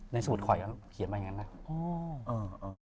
ในสมุดไขวเขียนมาอย่างนั้นแหละ